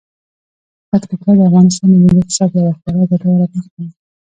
پکتیکا د افغانستان د ملي اقتصاد یوه خورا ګټوره برخه ده.